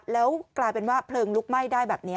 แล้วกลายเป็นว่าเพลิงลุกไหม้ได้แบบนี้